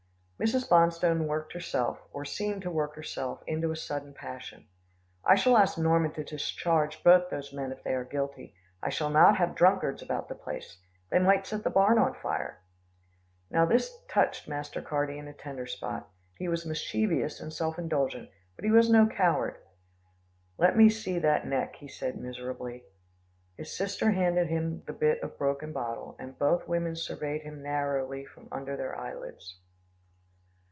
Mrs. Bonstone worked herself, or seemed to work herself into a sudden passion. "I shall ask Norman to discharge both those men, if they are guilty. I shall not have drunkards about the place. They might set the barn on fire." Now this touched Master Carty in a tender spot. He was mischievous and self indulgent, but he was no coward. "Let me see that neck," he said miserably. His sister handed him the bit of broken bottle, and both women surveyed him narrowly from under their eyelids.